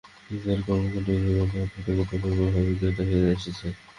তিনি তাঁর কর্মকাণ্ডে তাঁর নামের সার্থকতা বার বার বজায় রেখে এসেছেন।